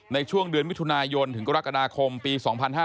ในช่วงเดือนมิถุนายนถึงกรกฎาคมปี๒๕๕๙